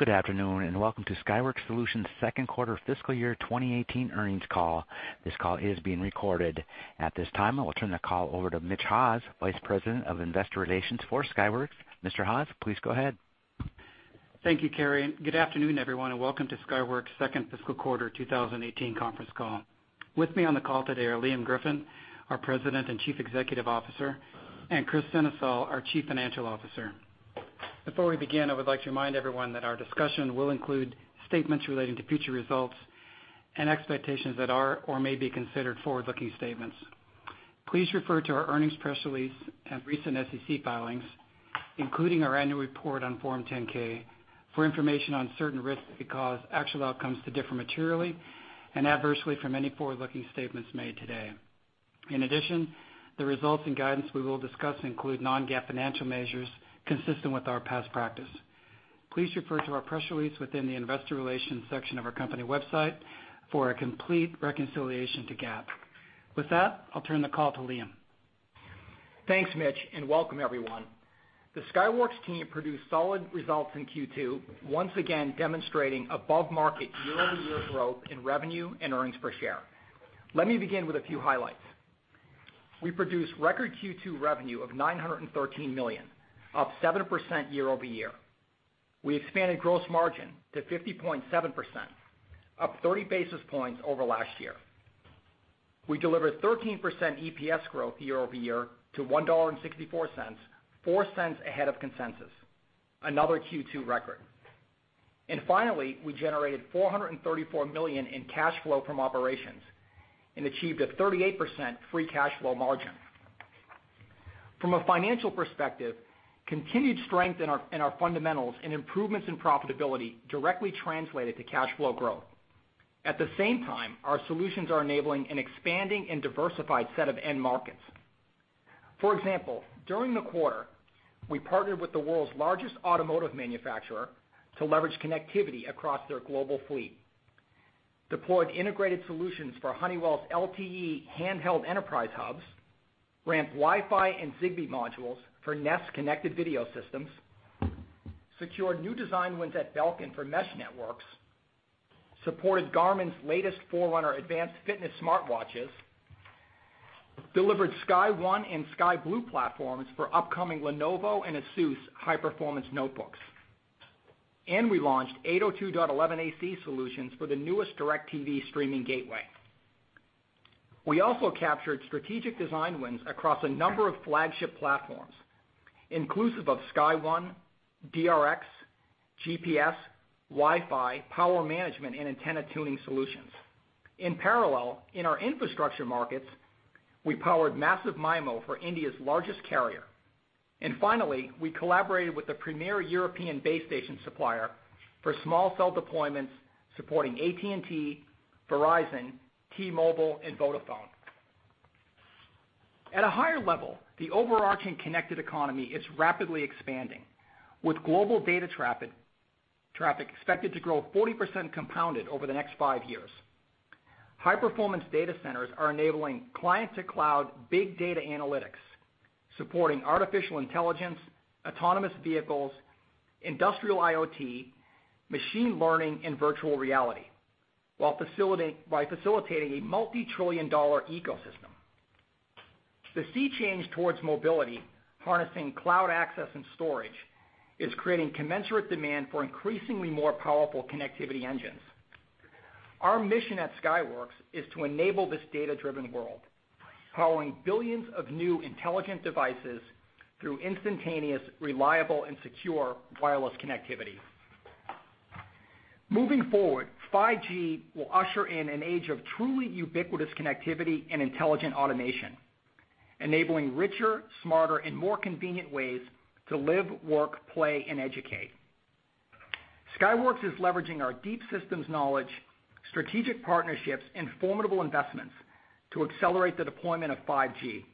Welcome to Skyworks Solutions' second quarter fiscal year 2018 earnings call. This call is being recorded. At this time, I will turn the call over to Mitch Haws, Vice President of Investor Relations for Skyworks. Mr. Haws, please go ahead. Thank you, Kerry. Good afternoon, everyone. Welcome to Skyworks' second fiscal quarter 2018 conference call. With me on the call today are Liam Griffin, our President and Chief Executive Officer, and Kris Sennesael, our Chief Financial Officer. Before we begin, I would like to remind everyone that our discussion will include statements relating to future results and expectations that are or may be considered forward-looking statements. Please refer to our earnings press release and recent SEC filings, including our annual report on Form 10-K, for information on certain risks that cause actual outcomes to differ materially and adversely from any forward-looking statements made today. In addition, the results and guidance we will discuss include non-GAAP financial measures consistent with our past practice. Please refer to our press release within the investor relations section of our company website for a complete reconciliation to GAAP. With that, I'll turn the call to Liam. Thanks, Mitch. Welcome everyone. The Skyworks team produced solid results in Q2, once again demonstrating above-market year-over-year growth in revenue and earnings per share. Let me begin with a few highlights. We produced record Q2 revenue of $913 million, up 7% year-over-year. We expanded gross margin to 50.7%, up 30 basis points over last year. We delivered 13% EPS growth year-over-year to $1.64, $0.04 ahead of consensus, another Q2 record. Finally, we generated $434 million in cash flow from operations and achieved a 38% free cash flow margin. From a financial perspective, continued strength in our fundamentals and improvements in profitability directly translated to cash flow growth. At the same time, our solutions are enabling an expanding and diversified set of end markets. For example, during the quarter, we partnered with the world's largest automotive manufacturer to leverage connectivity across their global fleet, deployed integrated solutions for Honeywell's LTE handheld enterprise hubs, ramped Wi-Fi and Zigbee modules for Nest-connected video systems, secured new design wins at Belkin for mesh networks, supported Garmin's latest Forerunner advanced fitness smartwatches, delivered SkyOne and SkyBlue platforms for upcoming Lenovo and ASUS high-performance notebooks, and we launched 802.11ac solutions for the newest DIRECTV streaming gateway. We also captured strategic design wins across a number of flagship platforms, inclusive of SkyOne, DRx, GPS, Wi-Fi, power management, and antenna tuning solutions. In parallel, in our infrastructure markets, we powered massive MIMO for India's largest carrier. Finally, we collaborated with the premier European base station supplier for small cell deployments supporting AT&T, Verizon, T-Mobile, and Vodafone. At a higher level, the overarching connected economy is rapidly expanding, with global data traffic expected to grow 40% compounded over the next five years. High-performance data centers are enabling client-to-cloud big data analytics, supporting artificial intelligence, autonomous vehicles, industrial IoT, machine learning, and virtual reality, by facilitating a multi-trillion-dollar ecosystem. The sea change towards mobility, harnessing cloud access and storage, is creating commensurate demand for increasingly more powerful connectivity engines. Our mission at Skyworks is to enable this data-driven world, powering billions of new intelligent devices through instantaneous, reliable, and secure wireless connectivity. Moving forward, 5G will usher in an age of truly ubiquitous connectivity and intelligent automation, enabling richer, smarter, and more convenient ways to live, work, play, and educate. Skyworks is leveraging our deep systems knowledge, strategic partnerships, and formidable investments to accelerate the deployment of 5G,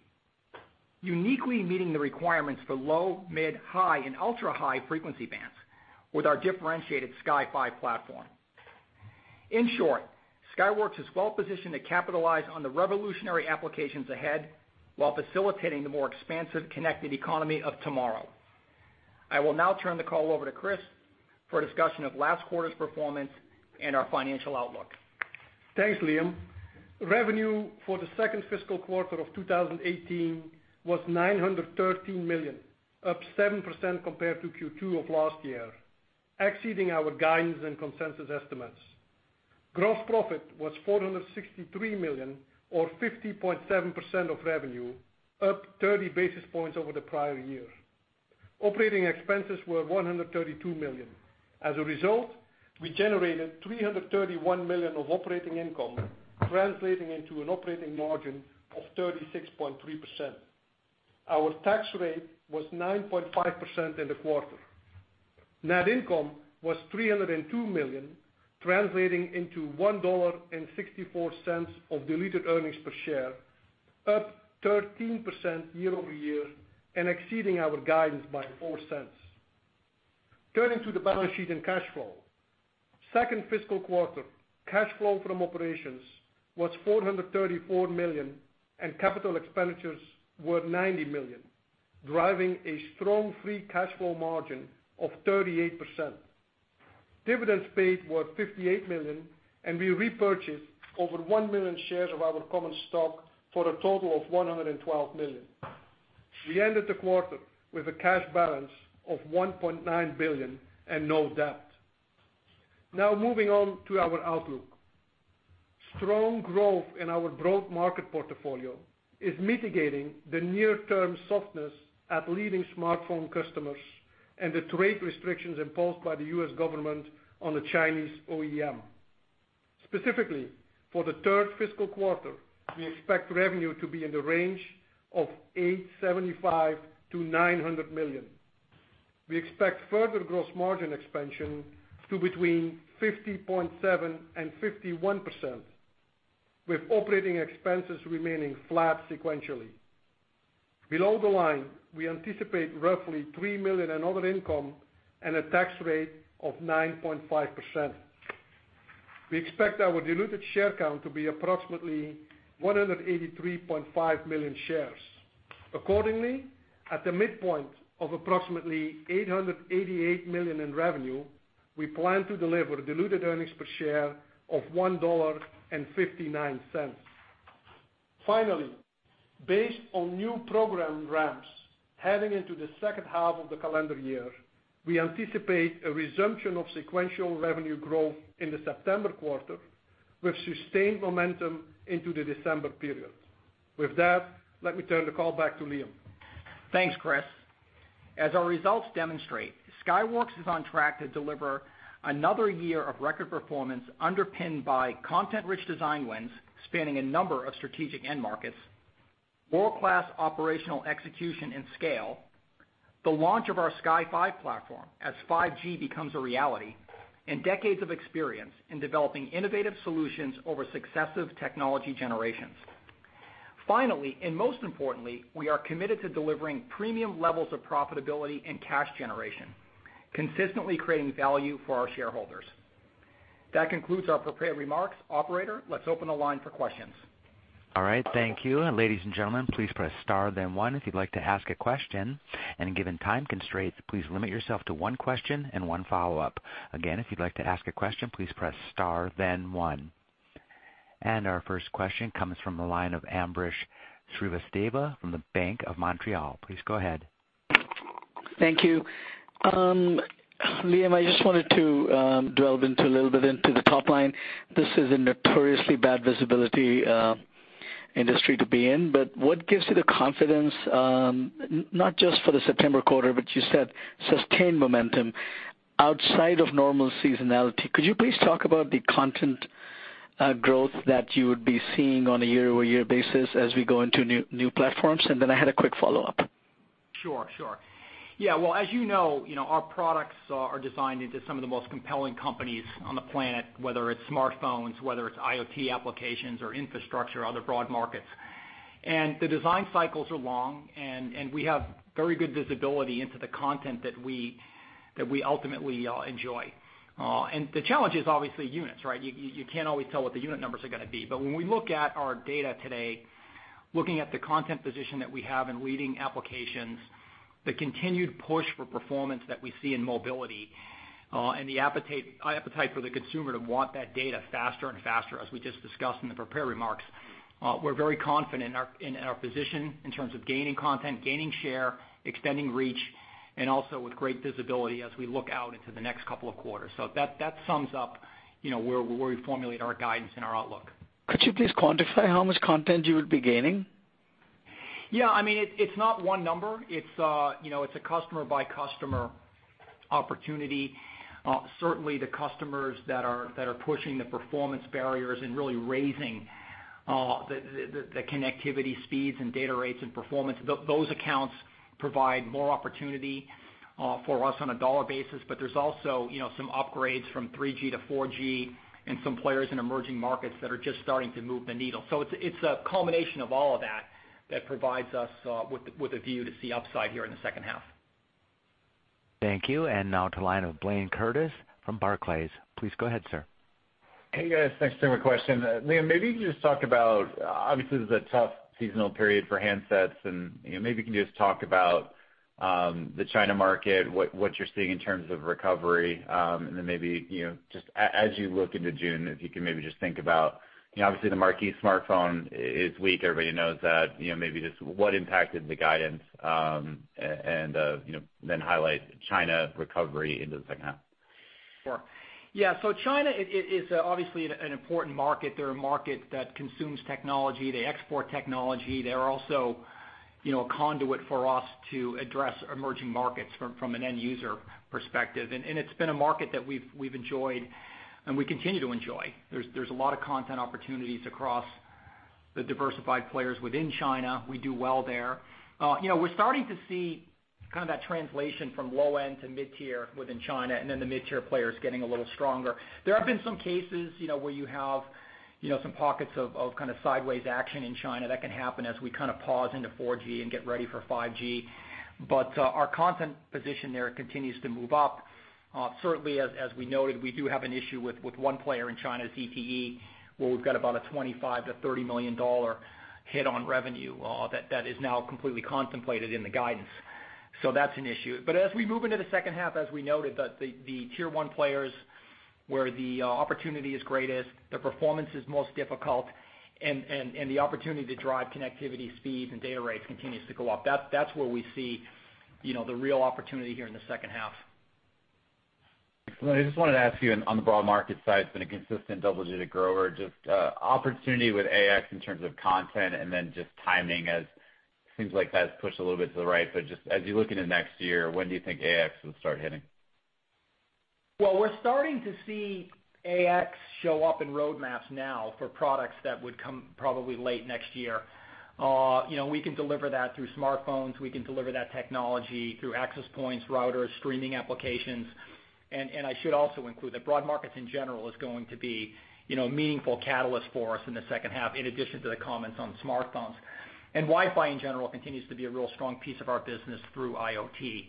uniquely meeting the requirements for low, mid, high, and ultra-high frequency bands with our differentiated Sky5 platform. In short, Skyworks is well-positioned to capitalize on the revolutionary applications ahead while facilitating the more expansive connected economy of tomorrow. I will now turn the call over to Kris for a discussion of last quarter's performance and our financial outlook. Thanks, Liam. Revenue for the second fiscal quarter of 2018 was $913 million, up 7% compared to Q2 of last year, exceeding our guidance and consensus estimates. Gross profit was $463 million or 50.7% of revenue, up 30 basis points over the prior year. Operating expenses were $132 million. As a result, we generated $331 million of operating income, translating into an operating margin of 36.3%. Our tax rate was 9.5% in the quarter. Net income was $302 million, translating into $1.64 of diluted earnings per share, up 13% year-over-year and exceeding our guidance by $0.04. Turning to the balance sheet and cash flow, second fiscal quarter cash flow from operations was $434 million and capital expenditures were $90 million, driving a strong free cash flow margin of 38%. Dividends paid were $58 million, and we repurchased over 1 million shares of our common stock for a total of $112 million. We ended the quarter with a cash balance of $1.9 billion and no debt. Moving on to our outlook. Strong growth in our broad market portfolio is mitigating the near-term softness at leading smartphone customers and the trade restrictions imposed by the U.S. government on the Chinese OEM. Specifically, for the third fiscal quarter, we expect revenue to be in the range of $875 million-$900 million. We expect further gross margin expansion to between 50.7% and 51%, with operating expenses remaining flat sequentially. Below the line, we anticipate roughly $3 million in other income and a tax rate of 9.5%. We expect our diluted share count to be approximately 183.5 million shares. Accordingly, at the midpoint of approximately $888 million in revenue, we plan to deliver diluted earnings per share of $1.59. Based on new program ramps heading into the second half of the calendar year, we anticipate a resumption of sequential revenue growth in the September quarter with sustained momentum into the December period. Let me turn the call back to Liam. Thanks, Kris. As our results demonstrate, Skyworks is on track to deliver another year of record performance underpinned by content-rich design wins spanning a number of strategic end markets, world-class operational execution and scale, the launch of our Sky5 platform as 5G becomes a reality, and decades of experience in developing innovative solutions over successive technology generations. Most importantly, we are committed to delivering premium levels of profitability and cash generation, consistently creating value for our shareholders. That concludes our prepared remarks. Operator, let's open the line for questions. Thank you. Ladies and gentlemen, please press star then one if you'd like to ask a question. Given time constraints, please limit yourself to one question and one follow-up. Again, if you'd like to ask a question, please press star then one. Our first question comes from the line of Ambrish Srivastava from the Bank of Montreal. Please go ahead. Thank you. Liam, I just wanted to delve a little bit into the top line. This is a notoriously bad visibility industry to be in. What gives you the confidence, not just for the September quarter, but you said sustained momentum outside of normal seasonality? Could you please talk about the content growth that you would be seeing on a year-over-year basis as we go into new platforms? I had a quick follow-up. Sure. Well, as you know, our products are designed into some of the most compelling companies on the planet, whether it's smartphones, whether it's IoT applications or infrastructure, other broad markets. The design cycles are long, and we have very good visibility into the content that we ultimately enjoy. The challenge is obviously units, right? You can't always tell what the unit numbers are going to be. When we look at our data today, looking at the content position that we have in leading applications, the continued push for performance that we see in mobility, and the appetite for the consumer to want that data faster and faster, as we just discussed in the prepared remarks, we're very confident in our position in terms of gaining content, gaining share, extending reach, and also with great visibility as we look out into the next couple of quarters. That sums up where we formulate our guidance and our outlook. Could you please quantify how much content you would be gaining? Yeah. It's not one number. It's a customer-by-customer opportunity. Certainly, the customers that are pushing the performance barriers and really raising the connectivity speeds and data rates and performance, those accounts provide more opportunity for us on a dollar basis. There's also some upgrades from 3G to 4G and some players in emerging markets that are just starting to move the needle. It's a culmination of all of that that provides us with a view to see upside here in the second half. Thank you. Now to the line of Blayne Curtis from Barclays. Please go ahead, sir. Hey, guys. Thanks for taking my question. Liam, obviously this is a tough seasonal period for handsets. Maybe you can just talk about the China market, what you're seeing in terms of recovery. Then maybe just as you look into June, if you can maybe just think about, obviously the marquee smartphone is weak. Everybody knows that. Maybe just what impacted the guidance. Then highlight China recovery into the second half. Sure. Yeah. China is obviously an important market. They're a market that consumes technology. They export technology. They're also a conduit for us to address emerging markets from an end user perspective. It's been a market that we've enjoyed and we continue to enjoy. There's a lot of content opportunities across the diversified players within China. We do well there. We're starting to see kind of that translation from low-end to mid-tier within China. Then the mid-tier players getting a little stronger. There have been some cases where you have some pockets of kind of sideways action in China. That can happen as we kind of pause into 4G and get ready for 5G. Our content position there continues to move up. Certainly, as we noted, we do have an issue with one player in China, ZTE, where we've got about a $25 million-$30 million hit on revenue that is now completely contemplated in the guidance. That's an issue. As we move into the second half, as we noted, the Tier 1 players, where the opportunity is greatest, the performance is most difficult, and the opportunity to drive connectivity speeds and data rates continues to go up. That's where we see the real opportunity here in the second half. I just wanted to ask you on the broad market side, it's been a consistent double-digit grower, just opportunity with AX in terms of content and then just timing as things like that has pushed a little bit to the right. Just as you look into next year, when do you think AX will start hitting? Well, we're starting to see AX show up in roadmaps now for products that would come probably late next year. We can deliver that through smartphones. We can deliver that technology through access points, routers, streaming applications. I should also include that broad markets in general is going to be a meaningful catalyst for us in the second half, in addition to the comments on smartphones. Wi-Fi, in general, continues to be a real strong piece of our business through IoT.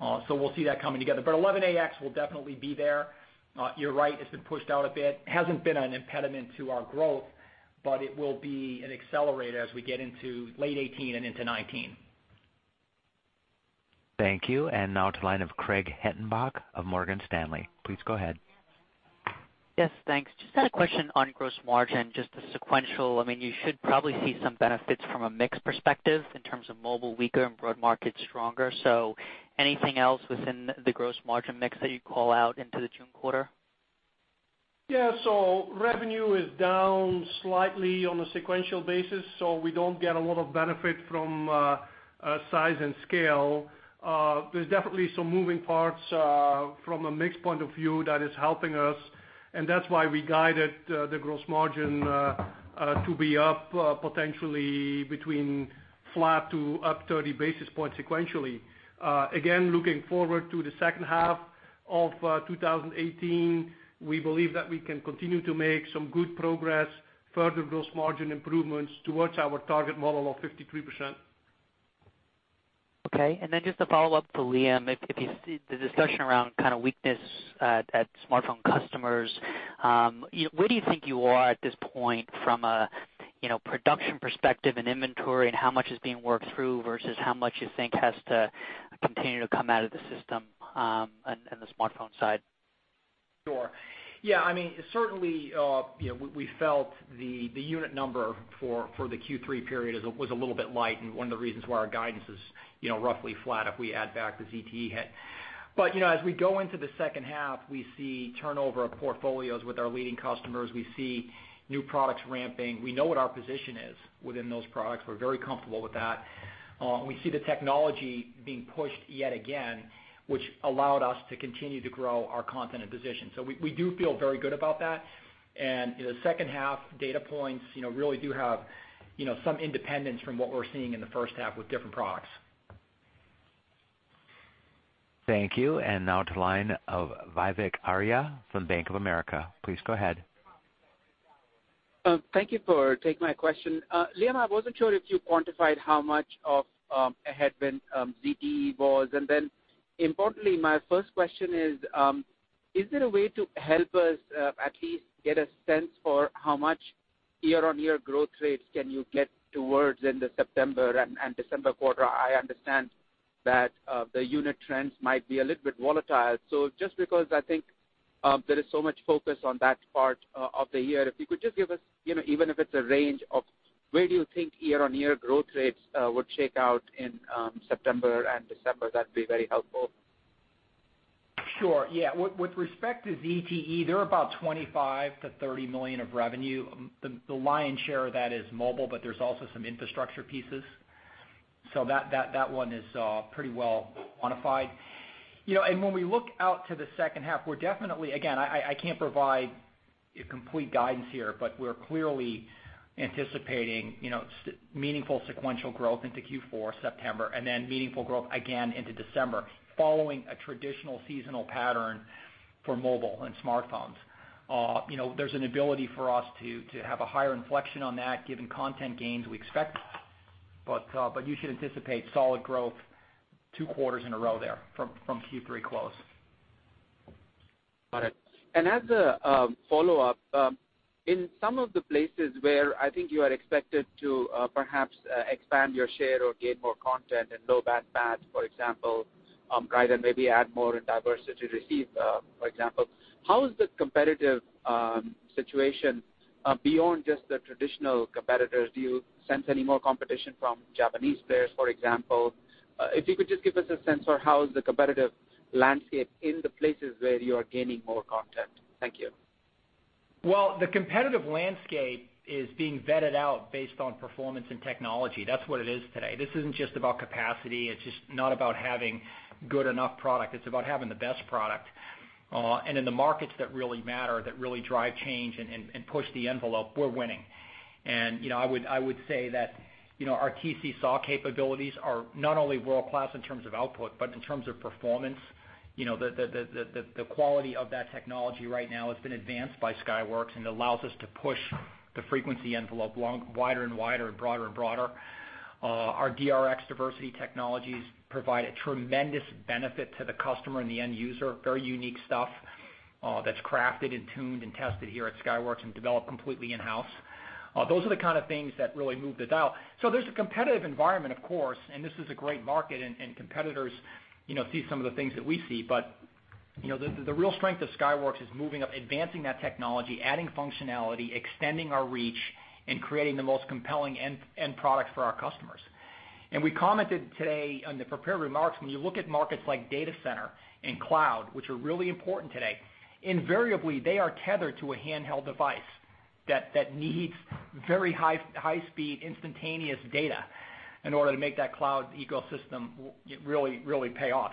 We'll see that coming together. 802.11ax will definitely be there. You're right, it's been pushed out a bit. Hasn't been an impediment to our growth, but it will be an accelerator as we get into late 2018 and into 2019. Thank you. Now to the line of Craig Hettenbach of Morgan Stanley. Please go ahead. Yes, thanks. Just had a question on gross margin, just the sequential. You should probably see some benefits from a mix perspective in terms of mobile weaker and broad market stronger. Anything else within the gross margin mix that you'd call out into the June quarter? Yeah. Revenue is down slightly on a sequential basis, so we don't get a lot of benefit from size and scale. There's definitely some moving parts from a mix point of view that is helping us, that's why we guided the gross margin to be up potentially between flat to up 30 basis points sequentially. Looking forward to the second half of 2018, we believe that we can continue to make some good progress, further gross margin improvements towards our target model of 53%. Okay. Just a follow-up to Liam, if you see the discussion around kind of weakness at smartphone customers, where do you think you are at this point from a production perspective and inventory and how much is being worked through versus how much you think has to continue to come out of the system on the smartphone side? Sure. Yeah, certainly, we felt the unit number for the Q3 period was a little bit light and one of the reasons why our guidance is roughly flat if we add back the ZTE hit. As we go into the second half, we see turnover of portfolios with our leading customers. We see new products ramping. We know what our position is within those products. We're very comfortable with that. We see the technology being pushed yet again, which allowed us to continue to grow our content and position. We do feel very good about that. The second half data points really do have some independence from what we're seeing in the first half with different products. Thank you. Now to the line of Vivek Arya from Bank of America. Please go ahead. Thank you for taking my question. Liam, I wasn't sure if you quantified how much of a headwind ZTE was. Importantly, my first question is there a way to help us at least get a sense for how much year-on-year growth rates can you get towards in the September and December quarter? I understand that the unit trends might be a little bit volatile. Just because I think there is so much focus on that part of the year, if you could just give us, even if it's a range of where do you think year-on-year growth rates would shake out in September and December, that'd be very helpful. Sure. Yeah. With respect to ZTE, they're about $25 million to $30 million of revenue. The lion's share of that is mobile, but there's also some infrastructure pieces. That one is pretty well quantified. When we look out to the second half, we're definitely, again, I can't provide complete guidance here, but we're clearly anticipating meaningful sequential growth into Q4, September, meaningful growth again into December, following a traditional seasonal pattern for mobile and smartphones. There's an ability for us to have a higher inflection on that given content gains we expect. You should anticipate solid growth two quarters in a row there from Q3 close. Got it. As a follow-up, in some of the places where I think you are expected to perhaps expand your share or gain more content in low band bands, for example, rather than maybe add more in diversity receive, for example, how is the competitive situation beyond just the traditional competitors? Do you sense any more competition from Japanese players, for example? If you could just give us a sense for how is the competitive landscape in the places where you are gaining more content. Thank you. The competitive landscape is being vetted out based on performance and technology. That's what it is today. This isn't just about capacity. It's just not about having good enough product. It's about having the best product. In the markets that really matter, that really drive change and push the envelope, we're winning. I would say that our TC SAW capabilities are not only world-class in terms of output, but in terms of performance. The quality of that technology right now has been advanced by Skyworks and allows us to push the frequency envelope wider and wider and broader and broader. Our DRx diversity technologies provide a tremendous benefit to the customer and the end user. Very unique stuff that's crafted and tuned and tested here at Skyworks and developed completely in-house. Those are the kind of things that really move the dial. There's a competitive environment, of course, and this is a great market, and competitors see some of the things that we see, but the real strength of Skyworks is moving up, advancing that technology, adding functionality, extending our reach, and creating the most compelling end product for our customers. We commented today on the prepared remarks, when you look at markets like data center and cloud, which are really important today, invariably, they are tethered to a handheld device that needs very high-speed, instantaneous data in order to make that cloud ecosystem really pay off.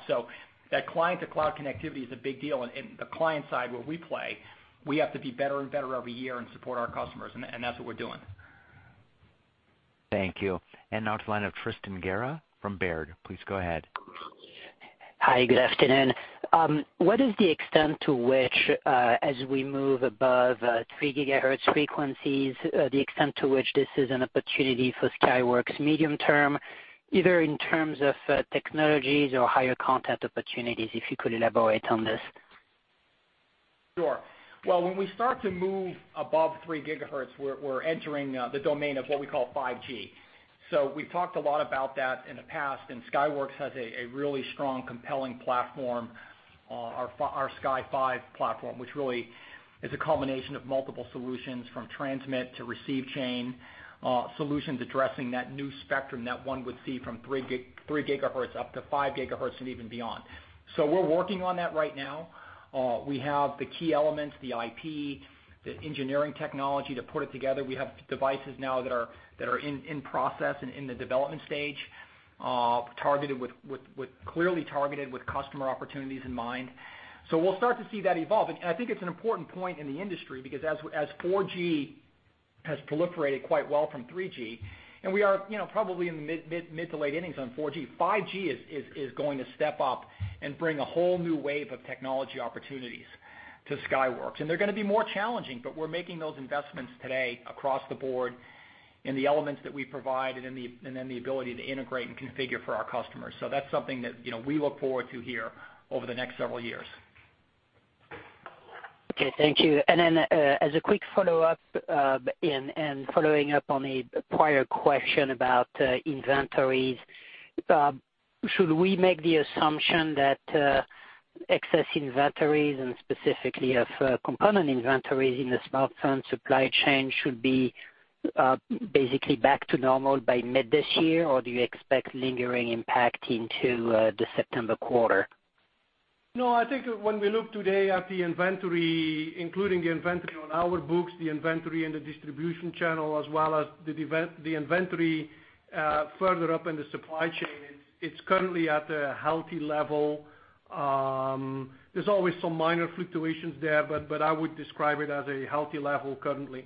That client-to-cloud connectivity is a big deal, and the client side, where we play, we have to be better and better every year and support our customers, and that's what we're doing. Thank you. Now to the line of Tristan Gerra from Baird. Please go ahead. Hi. Good afternoon. What is the extent to which, as we move above three GHz frequencies, the extent to which this is an opportunity for Skyworks medium term, either in terms of technologies or higher content opportunities, if you could elaborate on this? Sure. Well, when we start to move above 3 gigahertz, we're entering the domain of what we call 5G. We've talked a lot about that in the past, and Skyworks has a really strong, compelling platform, our Sky5 platform, which really is a culmination of multiple solutions from transmit to receive chain solutions addressing that new spectrum that one would see from 3 gigahertz up to 5 gigahertz and even beyond. We're working on that right now. We have the key elements, the IP, the engineering technology to put it together. We have devices now that are in process and in the development stage, clearly targeted with customer opportunities in mind. We'll start to see that evolve. I think it's an important point in the industry because as 4G has proliferated quite well from 3G, we are probably in the mid to late innings on 4G, 5G is going to step up and bring a whole new wave of technology opportunities to Skyworks. They're going to be more challenging, but we're making those investments today across the board in the elements that we provide and then the ability to integrate and configure for our customers. That's something that we look forward to hear over the next several years. Okay. Thank you. Then, as a quick follow-up, and following up on a prior question about inventories, should we make the assumption that excess inventories and specifically of component inventories in the smartphone supply chain should be basically back to normal by mid this year? Or do you expect lingering impact into the September quarter? No, I think when we look today at the inventory, including the inventory on our books, the inventory and the distribution channel, as well as the inventory further up in the supply chain, it's currently at a healthy level. There's always some minor fluctuations there, but I would describe it as a healthy level currently.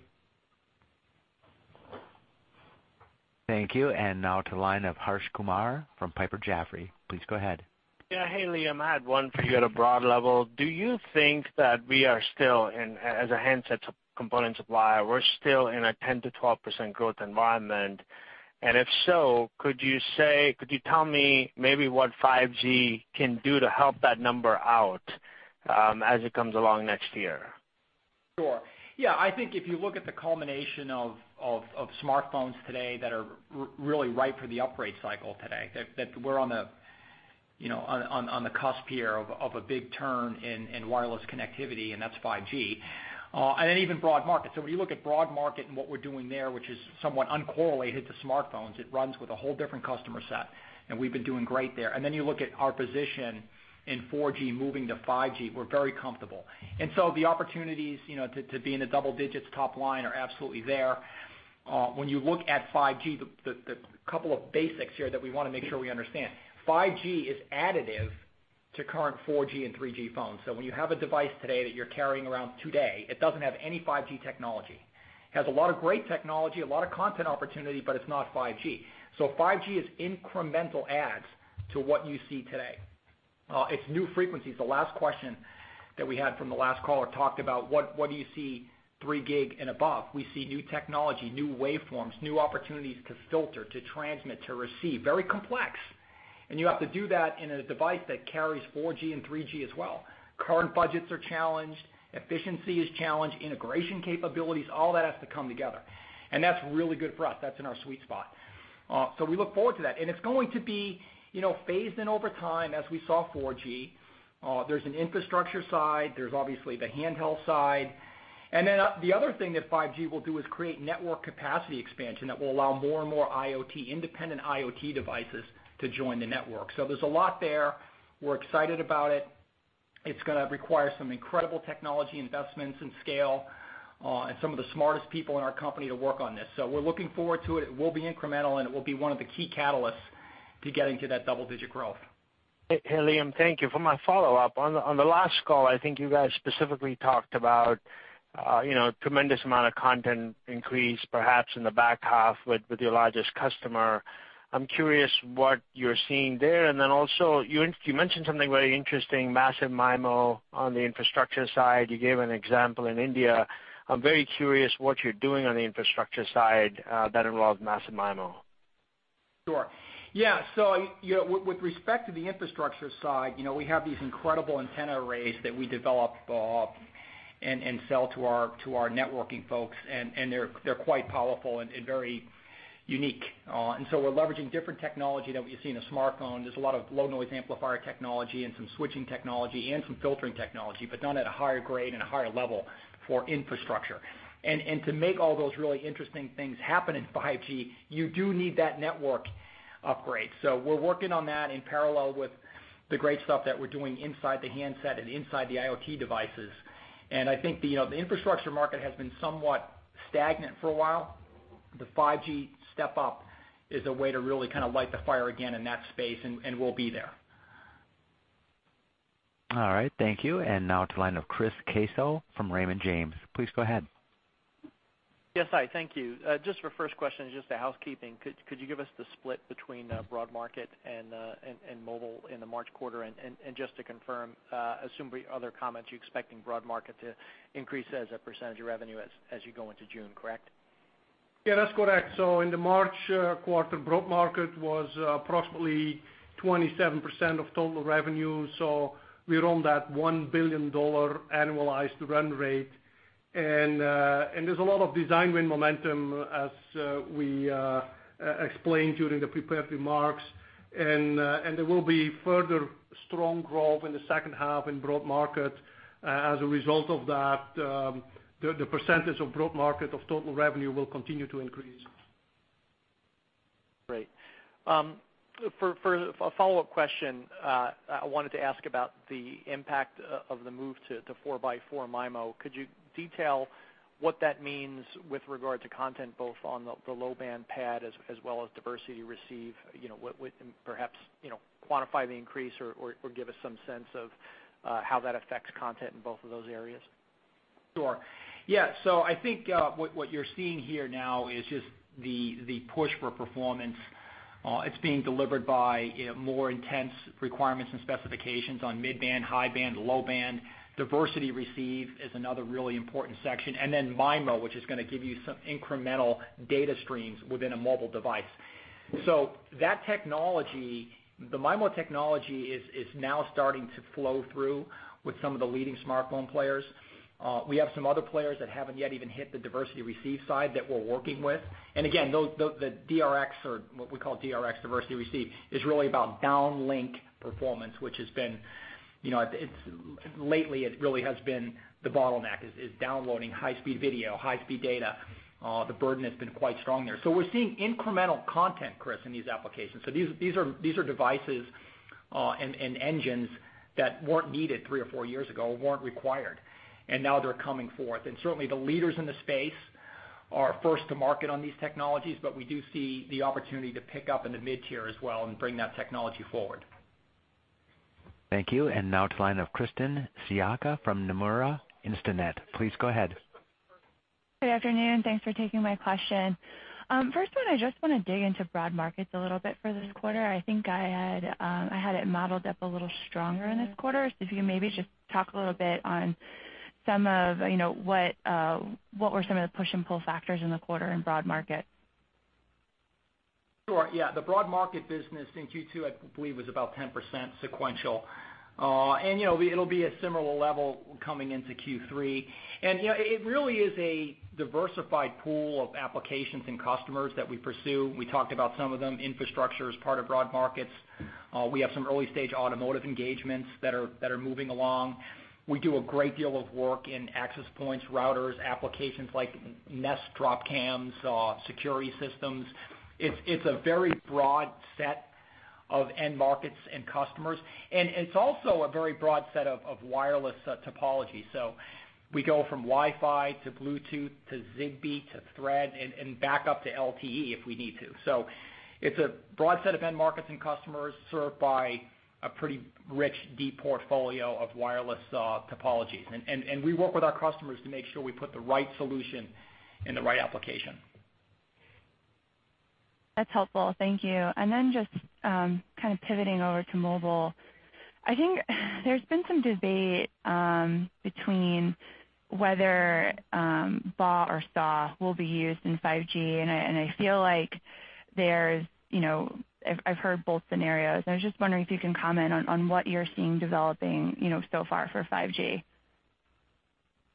Thank you. Now to the line of Harsh Kumar from Piper Jaffray. Please go ahead. Yeah. Hey, Liam, I had one for you at a broad level. Do you think that we are still, as a handset component supplier, we're still in a 10%-12% growth environment? If so, could you tell me maybe what 5G can do to help that number out as it comes along next year? Sure. Yeah, I think if you look at the culmination of smartphones today that are really ripe for the upgrade cycle today, that we're on the cusp here of a big turn in wireless connectivity, that's 5G, even broad market. When you look at broad market and what we're doing there, which is somewhat uncorrelated to smartphones, it runs with a whole different customer set, we've been doing great there. You look at our position in 4G moving to 5G, we're very comfortable. The opportunities to be in the double digits top line are absolutely there. When you look at 5G, the couple of basics here that we want to make sure we understand, 5G is additive to current 4G and 3G phones. When you have a device today that you're carrying around today, it doesn't have any 5G technology. It has a lot of great technology, a lot of content opportunity, but it's not 5G. 5G is incremental adds to what you see today. It's new frequencies. The last question that we had from the last caller talked about what do you see 3 gig and above? We see new technology, new waveforms, new opportunities to filter, to transmit, to receive. Very complex. You have to do that in a device that carries 4G and 3G as well. Current budgets are challenged, efficiency is challenged, integration capabilities, all that has to come together. That's really good for us. That's in our sweet spot. We look forward to that, and it's going to be phased in over time as we saw 4G. There's an infrastructure side. There's obviously the handheld side. The other thing that 5G will do is create network capacity expansion that will allow more and more IoT, independent IoT devices to join the network. There's a lot there. We're excited about it. It's going to require some incredible technology investments and scale, and some of the smartest people in our company to work on this. We're looking forward to it. It will be incremental, and it will be one of the key catalysts to getting to that double-digit growth. Hey, Liam, thank you. For my follow-up, on the last call, I think you guys specifically talked about a tremendous amount of content increase, perhaps in the back half with your largest customer. I'm curious what you're seeing there, and then also, you mentioned something very interesting, massive MIMO on the infrastructure side. You gave an example in India. I'm very curious what you're doing on the infrastructure side that involves massive MIMO. Sure. Yeah. With respect to the infrastructure side, we have these incredible antenna arrays that we develop and sell to our networking folks, and they're quite powerful and very unique. We're leveraging different technology that we've seen in smartphone. There's a lot of low noise amplifier technology and some switching technology and some filtering technology, but done at a higher grade and a higher level for infrastructure. To make all those really interesting things happen in 5G, you do need that network upgrade. We're working on that in parallel with the great stuff that we're doing inside the handset and inside the IoT devices. I think the infrastructure market has been somewhat stagnant for a while. The 5G step up is a way to really kind of light the fire again in that space, and we'll be there. All right. Thank you. To the line of Chris Caso from Raymond James. Please go ahead. Yes, hi. Thank you. Just for a first question, just a housekeeping. Could you give us the split between broad market and mobile in the March quarter? Just to confirm, assuming other comments, you're expecting broad market to increase as a percentage of revenue as you go into June, correct? Yeah, that's correct. In the March quarter, broad market was approximately 27% of total revenue. We're on that $1 billion annualized run rate. There's a lot of design win momentum as we explained during the prepared remarks. There will be further strong growth in the second half in broad market. As a result of that, the percentage of broad market of total revenue will continue to increase. Great. For a follow-up question, I wanted to ask about the impact of the move to 4x4 MIMO. Could you detail what that means with regard to content both on the low-band PAD as well as diversity receive, and perhaps quantify the increase or give us some sense of how that affects content in both of those areas? Sure. Yeah. I think what you're seeing here now is just the push for performance. It's being delivered by more intense requirements and specifications on mid-band, high band, low band. Diversity receive is another really important section, and then MIMO, which is going to give you some incremental data streams within a mobile device. That technology, the MIMO technology, is now starting to flow through with some of the leading smartphone players. We have some other players that haven't yet even hit the diversity receive side that we're working with. Again, the DRx, or what we call DRx, diversity receive, is really about downlink performance, which lately it really has been the bottleneck, is downloading high-speed video, high-speed data. The burden has been quite strong there. We're seeing incremental content, Chris, in these applications. These are devices and engines that weren't needed three or four years ago and weren't required, now they're coming forth. Certainly the leaders in the space are first to market on these technologies, but we do see the opportunity to pick up in the mid-tier as well and bring that technology forward. Thank you. Now to the line of Krysten Sciacca from Nomura Instinet. Please go ahead. Good afternoon. Thanks for taking my question. First one, I just want to dig into broad markets a little bit for this quarter. I think I had it modeled up a little stronger in this quarter. If you maybe just talk a little bit on what were some of the push and pull factors in the quarter in broad market. Sure, yeah. The broad market business in Q2, I believe, was about 10% sequential. It'll be a similar level coming into Q3. It really is a diversified pool of applications and customers that we pursue. We talked about some of them, infrastructure as part of broad markets. We have some early-stage automotive engagements that are moving along. We do a great deal of work in access points, routers, applications like Nest Dropcam, security systems. It's a very broad set of end markets and customers, and it's also a very broad set of wireless topology. We go from Wi-Fi to Bluetooth to Zigbee to Thread and back up to LTE if we need to. It's a broad set of end markets and customers served by a pretty rich, deep portfolio of wireless topologies. We work with our customers to make sure we put the right solution in the right application. That's helpful. Thank you. Then just kind of pivoting over to mobile. I think there's been some debate between whether SAW or BAW will be used in 5G, and I feel like I've heard both scenarios, and I was just wondering if you can comment on what you're seeing developing so far for 5G.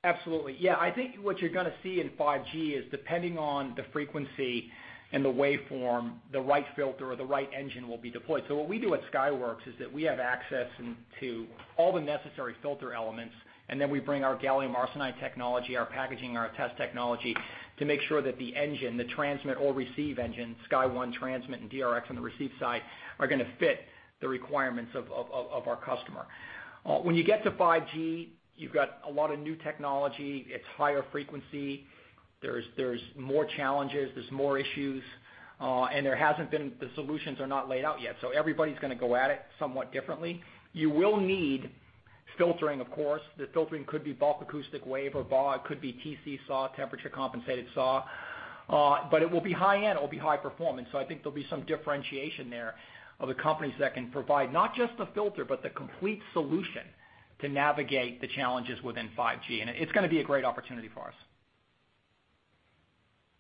Absolutely. I think what you're going to see in 5G is depending on the frequency and the waveform, the right filter or the right engine will be deployed. What we do at Skyworks is that we have access to all the necessary filter elements, and then we bring our gallium arsenide technology, our packaging, our test technology, to make sure that the engine, the transmit or receive engine, SkyOne transmit and DRx on the receive side, are going to fit the requirements of our customer. When you get to 5G, you've got a lot of new technology. It's higher frequency. There's more challenges. There's more issues. The solutions are not laid out yet, so everybody's going to go at it somewhat differently. You will need filtering, of course. The filtering could be bulk acoustic wave or BAW, it could be TC SAW, temperature compensated SAW. It will be high-end, it will be high performance. I think there'll be some differentiation there of the companies that can provide not just the filter, but the complete solution to navigate the challenges within 5G, and it's going to be a great opportunity for us.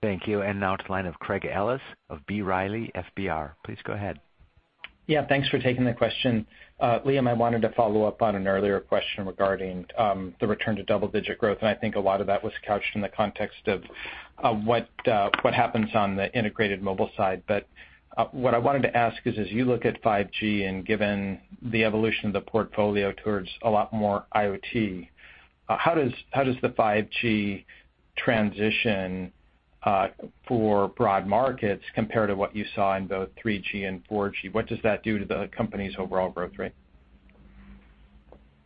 Thank you. Now to the line of Craig Ellis of B. Riley FBR. Please go ahead. Thanks for taking the question. Liam, I wanted to follow up on an earlier question regarding the return to double-digit growth, I think a lot of that was couched in the context of what happens on the integrated mobile side. What I wanted to ask is, as you look at 5G and given the evolution of the portfolio towards a lot more IoT, how does the 5G transition for broad markets compare to what you saw in both 3G and 4G? What does that do to the company's overall growth rate?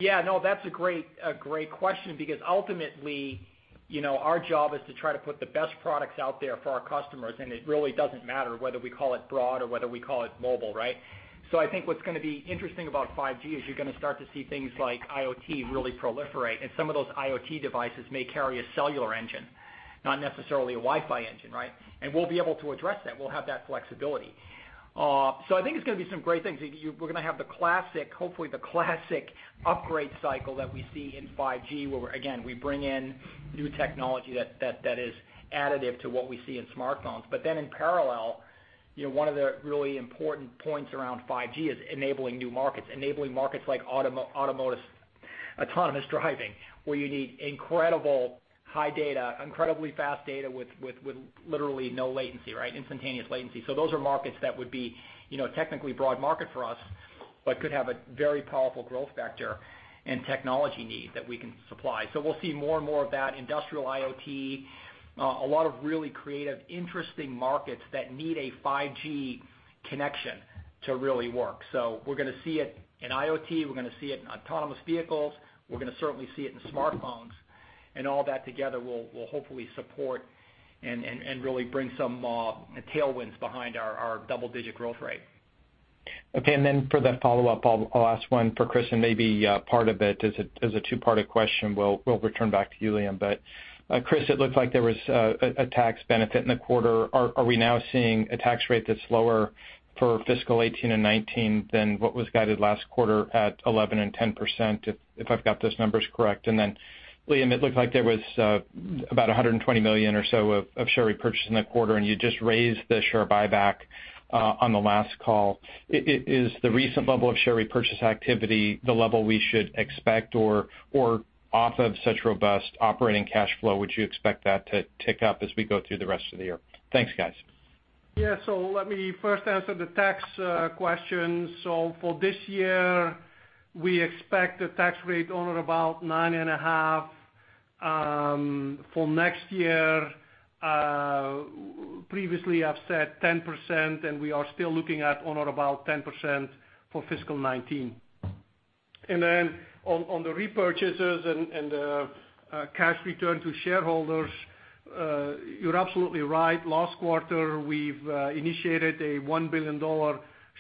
That's a great question because ultimately, our job is to try to put the best products out there for our customers, it really doesn't matter whether we call it broad or whether we call it mobile, right? I think what's going to be interesting about 5G is you're going to start to see things like IoT really proliferate, some of those IoT devices may carry a cellular engine, not necessarily a Wi-Fi engine, right? We'll be able to address that. We'll have that flexibility. I think it's going to be some great things. We're going to have the classic, hopefully, the classic upgrade cycle that we see in 5G where, again, we bring in new technology that is additive to what we see in smartphones. In parallel, one of the really important points around 5G is enabling new markets, enabling markets like autonomous driving, where you need incredible high data, incredibly fast data with literally no latency, right? Instantaneous latency. Those are markets that would be technically broad market for us, could have a very powerful growth vector and technology need that we can supply. We'll see more and more of that industrial IoT, a lot of really creative, interesting markets that need a 5G connection to really work. We're going to see it in IoT, we're going to see it in autonomous vehicles, we're going to certainly see it in smartphones. All that together will hopefully support and really bring some tailwinds behind our double-digit growth rate. Okay, for the follow-up, I'll ask one for Kris, and maybe part of it is a two-part question. We'll return back to you, Liam. Kris, it looked like there was a tax benefit in the quarter. Are we now seeing a tax rate that's lower for fiscal 2018 and 2019 than what was guided last quarter at 11% and 10%, if I've got those numbers correct? Liam, it looked like there was about $120 million or so of share repurchase in the quarter, and you just raised the share buyback on the last call. Is the recent level of share repurchase activity the level we should expect, or off of such robust operating cash flow would you expect that to tick up as we go through the rest of the year? Thanks, guys. Let me first answer the tax question. For this year, we expect the tax rate on or about 9.5%. For next year, previously I've said 10%, and we are still looking at on or about 10% for fiscal 2019. On the repurchases and the cash return to shareholders, you're absolutely right. Last quarter, we've initiated a $1 billion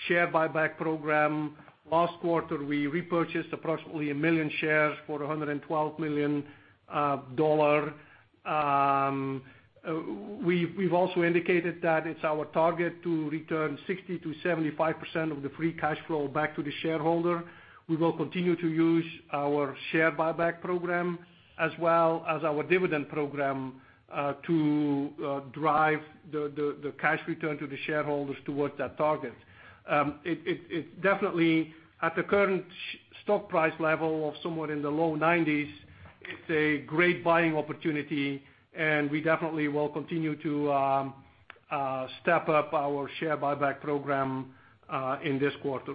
share buyback program. Last quarter, we repurchased approximately 1 million shares for $112 million. We've also indicated that it's our target to return 60%-75% of the free cash flow back to the shareholder. We will continue to use our share buyback program as well as our dividend program, to drive the cash return to the shareholders towards that target. It definitely, at the current stock price level of somewhere in the low $90s, it's a great buying opportunity, and we definitely will continue to step up our share buyback program in this quarter.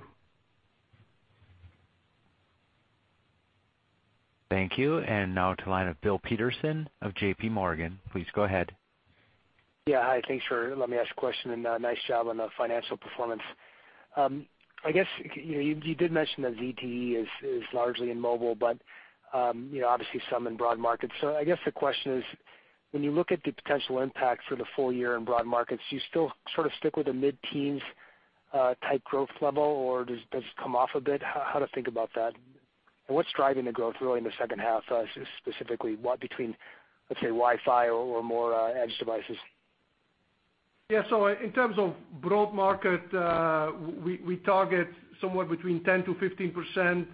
Thank you. Now to the line of Bill Peterson of J.P. Morgan. Please go ahead. Hi, thanks for letting me ask a question and nice job on the financial performance. I guess, you did mention that ZTE is largely in mobile, but obviously some in broad markets. I guess the question is, when you look at the potential impact for the full year in broad markets, do you still sort of stick with the mid-teens type growth level, or does it come off a bit? How to think about that? What's driving the growth really in the second half, specifically between, let's say, Wi-Fi or more edge devices? In terms of broad market, we target somewhere between 10%-15%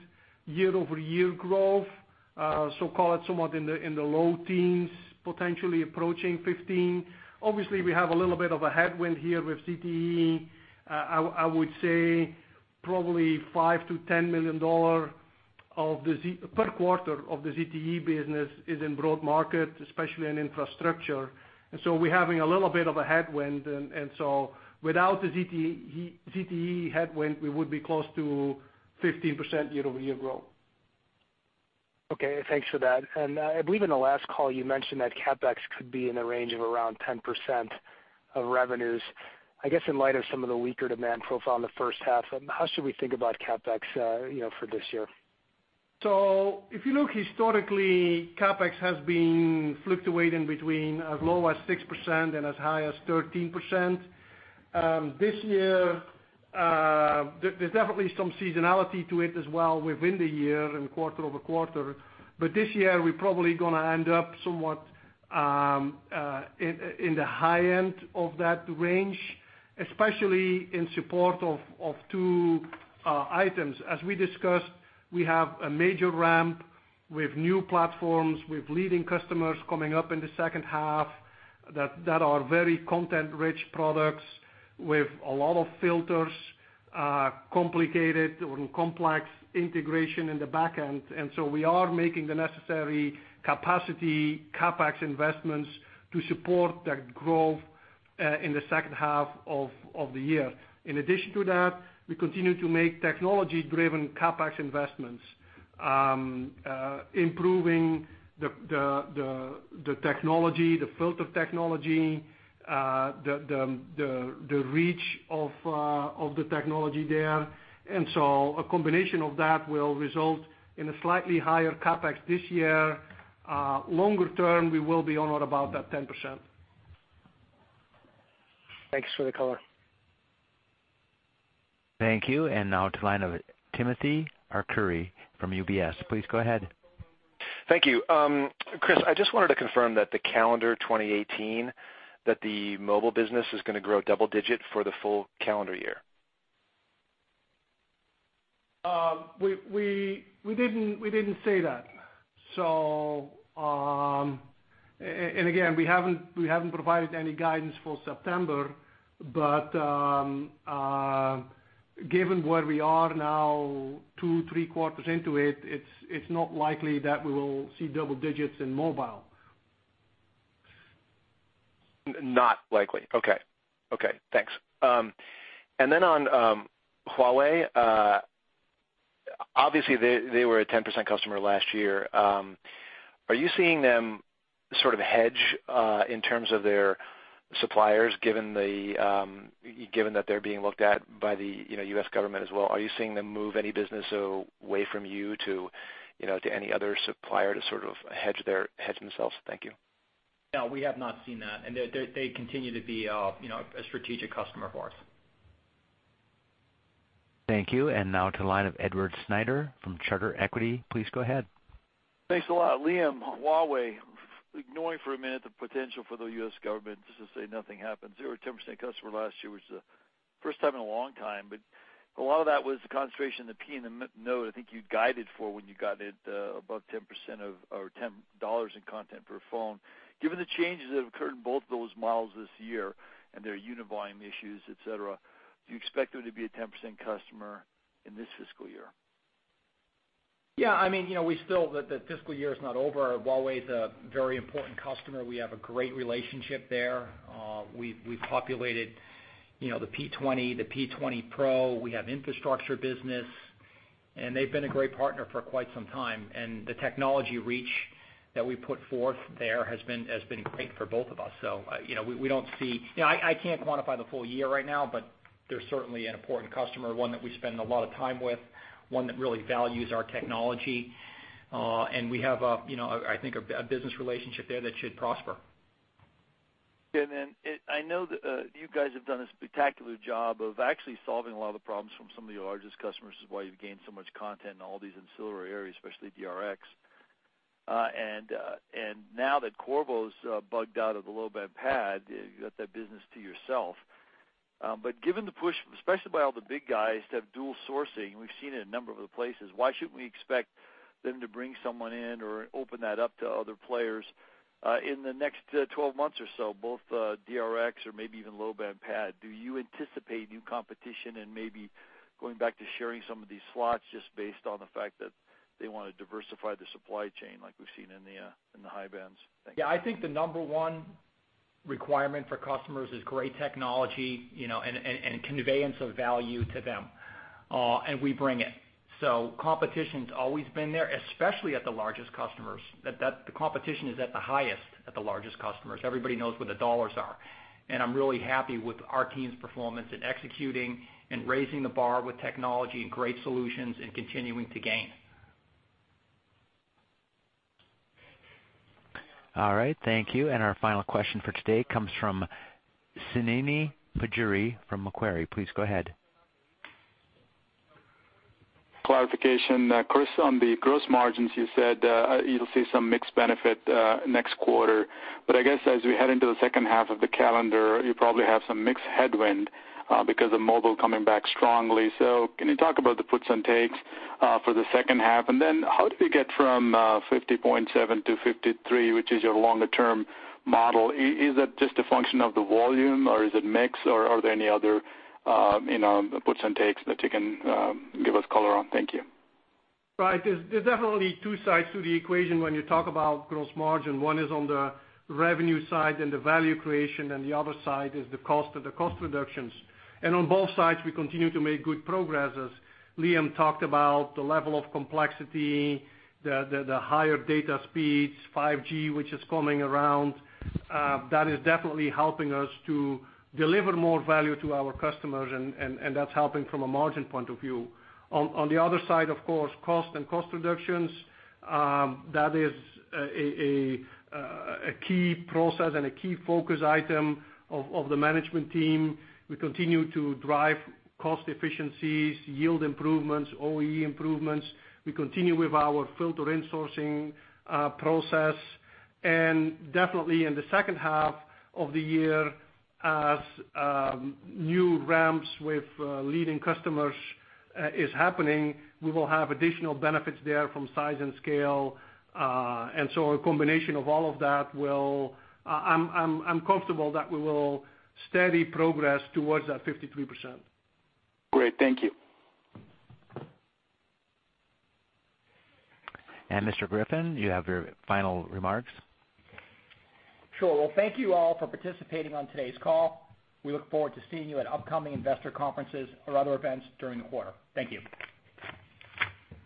year-over-year growth, call it somewhat in the low teens, potentially approaching 15. Obviously, we have a little bit of a headwind here with ZTE. I would say probably $5 million-$10 million per quarter of the ZTE business is in broad market, especially in infrastructure. We're having a little bit of a headwind, without the ZTE headwind, we would be close to 15% year-over-year growth. Okay, thanks for that. I believe in the last call you mentioned that CapEx could be in the range of around 10% of revenues. I guess in light of some of the weaker demand profile in the first half, how should we think about CapEx for this year? If you look historically, CapEx has been fluctuating between as low as 6% and as high as 13%. There's definitely some seasonality to it as well within the year and quarter-over-quarter. This year we're probably going to end up somewhat in the high end of that range, especially in support of two items. As we discussed, we have a major ramp with new platforms, with leading customers coming up in the second half that are very content-rich products with a lot of filters, complicated or complex integration in the back end. We are making the necessary capacity CapEx investments to support that growth in the second half of the year. In addition to that, we continue to make technology-driven CapEx investments, improving the technology, the filter technology, the reach of the technology there. A combination of that will result in a slightly higher CapEx this year. Longer term, we will be on or about that 10%. Thanks for the color. Thank you. Now to the line of Timothy Arcuri from UBS. Please go ahead. Thank you. Kris, I just wanted to confirm that the calendar 2018, that the mobile business is going to grow double digit for the full calendar year. We didn't say that. Again, we haven't provided any guidance for September, but given where we are now, two, three quarters into it's not likely that we will see double digits in mobile. Not likely. Okay, thanks. On Huawei, obviously they were a 10% customer last year. Are you seeing them sort of hedge in terms of their suppliers, given that they're being looked at by the U.S. government as well? Are you seeing them move any business away from you to any other supplier to sort of hedge themselves? Thank you. No, we have not seen that. They continue to be a strategic customer for us. Thank you. Now to the line of Edward Snyder from Charter Equity. Please go ahead. Thanks a lot. Liam, Huawei, ignoring for a minute the potential for the U.S. government, just to say nothing happens. They were a 10% customer last year, which is the first time in a long time, but a lot of that was the concentration in the P and the Note I think you guided for when you got it above 10% of, or $10 in content per phone. Given the changes that have occurred in both of those models this year and their unit volume issues, et cetera, do you expect them to be a 10% customer in this fiscal year? The fiscal year is not over. Huawei's a very important customer. We have a great relationship there. We've populated the P20, the P20 Pro, we have infrastructure business. They've been a great partner for quite some time. The technology reach that we put forth there has been great for both of us. I can't quantify the full year right now, but they're certainly an important customer, one that we spend a lot of time with, one that really values our technology. We have I think a business relationship there that should prosper. I know that you guys have done a spectacular job of actually solving a lot of the problems from some of your largest customers is why you've gained so much content in all these ancillary areas, especially DRx. Now that Qorvo's bugged out of the low-band PAD, you've got that business to yourself. Given the push, especially by all the big guys to have dual sourcing, we've seen it in a number of other places, why shouldn't we expect them to bring someone in or open that up to other players in the next 12 months or so, both DRx or maybe even low-band PAD? Do you anticipate new competition and maybe going back to sharing some of these slots just based on the fact that they want to diversify the supply chain like we've seen in the high bands? Thank you. I think the number one requirement for customers is great technology and conveyance of value to them. We bring it. Competition's always been there, especially at the largest customers. The competition is at the highest at the largest customers. Everybody knows where the dollars are, I'm really happy with our team's performance in executing and raising the bar with technology and great solutions and continuing to gain. Thank you. Our final question for today comes from Srini Pajjuri from Macquarie. Please go ahead. Clarification. Chris, on the gross margins, you said you'll see some mixed benefit next quarter. I guess as we head into the second half of the calendar, you probably have some mixed headwind because of mobile coming back strongly. Can you talk about the puts and takes for the second half? Then how do we get from 50.7% to 53%, which is your longer-term model? Is that just a function of the volume or is it mix, or are there any other puts and takes that you can give us color on? Thank you. Right. There's definitely two sides to the equation when you talk about gross margin. One is on the revenue side and the value creation, the other side is the cost reductions. On both sides, we continue to make good progress. As Liam talked about the level of complexity, the higher data speeds, 5G, which is coming around, that is definitely helping us to deliver more value to our customers, and that's helping from a margin point of view. On the other side, of course, cost and cost reductions, that is a key process and a key focus item of the management team. We continue to drive cost efficiencies, yield improvements, OEE improvements. We continue with our filter insourcing process, and definitely in the second half of the year as new ramps with leading customers is happening, we will have additional benefits there from size and scale. So a combination of all of that. I'm comfortable that we will steady progress towards that 53%. Great. Thank you. Mr. Griffin, do you have your final remarks? Sure. Thank you all for participating on today's call. We look forward to seeing you at upcoming investor conferences or other events during the quarter. Thank you.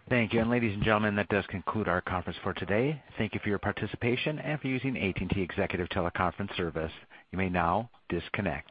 Thank you. Ladies and gentlemen, that does conclude our conference for today. Thank you for your participation and for using AT&T Executive Teleconference Service. You may now disconnect.